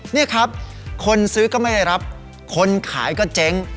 นี่ครับคนซื้อก็ไม่ได้รับคนขายก็เจ๊ง